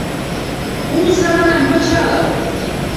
— Пуыза! — манам, — пычалым.